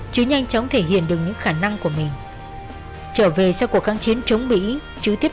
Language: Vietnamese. chứ nhanh chóng thể hiện được những khả năng của mình trở về sau cuộc kháng chiến chống mỹ chứ tiếp